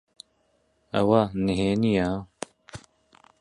ئەوە نهێنییە؟